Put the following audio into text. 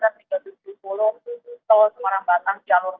di pulau di tol semua rambatan jalur a